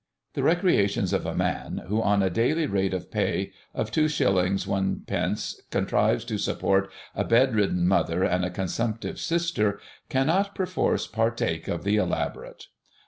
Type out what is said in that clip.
The recreations of a man who, on a daily rate of pay of 2s. 1d., contrives to support a bed ridden mother and a consumptive sister, cannot perforce partake of the elaborate.